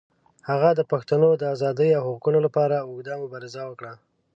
هغه د پښتنو د آزادۍ او حقوقو لپاره اوږده مبارزه وکړه.